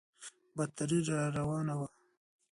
بدتري راروانه وه.